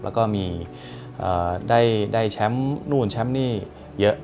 แล้วก็มีได้แชมป์นู่นแชมป์นี่เยอะ